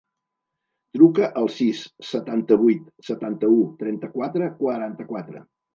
Truca al sis, setanta-vuit, setanta-u, trenta-quatre, quaranta-quatre.